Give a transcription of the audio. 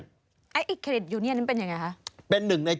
ชีวิตกระมวลวิสิทธิ์สุภาณฑ์